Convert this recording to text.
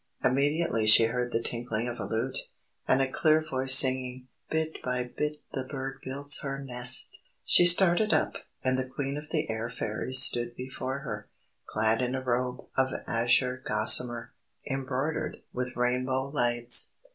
Immediately she heard the tinkling of a lute, and a clear voice singing: "Bit by bit the bird builds her nest!" She started up, and the Queen of the Air Fairies stood before her, clad in a robe of azure gossamer, embroidered with rainbow lights.